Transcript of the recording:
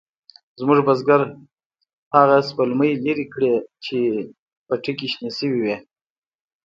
زموږ بزگر هغه سپلمۍ لرې کړې چې پټي کې شنې شوې وې.